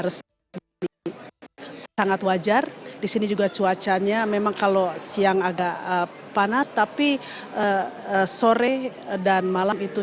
resmi sangat wajar disini juga cuacanya memang kalau siang agak panas tapi sore dan malam itu